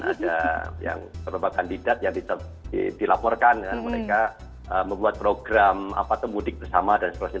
ada beberapa kandidat yang dilaporkan mereka membuat program apa tuh mudik bersama dan sebagainya